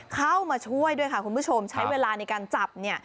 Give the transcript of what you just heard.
เข้ามาช่วยด้วยค่ะคุณผู้ชมใช้เวลาในการจับเนี่ย